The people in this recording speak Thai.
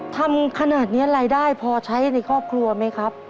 ทำขนาดนี้รายได้พอใช้ในครอบครัวไหมครับ